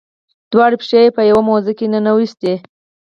دواړه پښې دې په یوه موزه کې ننویستې.